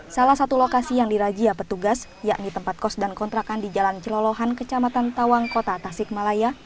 salah satu lokasi yang dirajia petugas yakni tempat kos dan kontrakan di jalan celolohan kecamatan tawang kota tasikmalaya